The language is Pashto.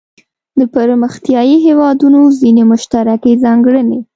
د پرمختیايي هیوادونو ځینې مشترکې ځانګړنې.